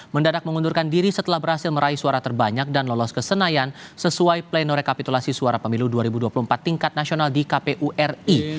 mendadak mengundurkan diri setelah berhasil meraih suara terbanyak dan lolos ke senayan sesuai pleno rekapitulasi suara pemilu dua ribu dua puluh empat tingkat nasional di kpu ri